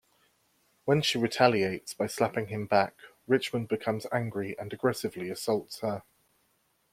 When she retaliates by slapping him back, Richmond becomes angry and aggressively assaults her.